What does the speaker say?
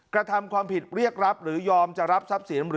กระทำความผิดเรียกรับหรือยอมจะรับทรัพย์สินหรือ